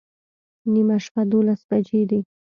نیمه شپه دوولس بجې دي